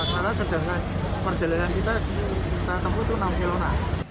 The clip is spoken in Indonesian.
karena sedangkan perjalanan kita kita temukan enam km